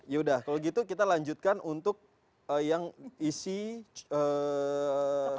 ya udah kalau gitu kita lanjutkan untuk yang isi